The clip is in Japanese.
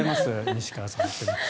西川さん。